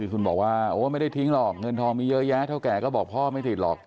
คุณบอกว่าโอ้ไม่ได้ทิ้งหรอกเงินทองมีเยอะแยะเท่าแก่ก็บอกพ่อไม่ติดหรอก